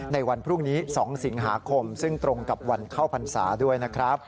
ในวันพรุ่งนี้๒สิงหาคมซึ่งตรงกับวันเข้าพรรษาด้วยนะครับ